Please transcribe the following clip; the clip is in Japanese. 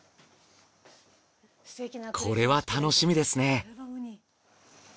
これは楽しみですね。